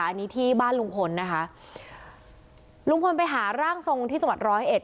อันนี้ที่บ้านลุงพลนะคะลุงพลไปหาร่างทรงที่จังหวัดร้อยเอ็ด